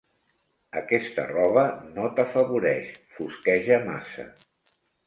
Aquesta roba no t'afavoreix: fosqueja massa.